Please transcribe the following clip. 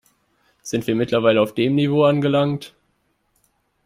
Sind wir mittlerweile auf dem Niveau angelangt?